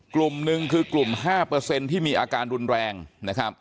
กลุ่มหนึ่งคือกลุ่ม๕ที่มีอาการรุนแรงนะครับ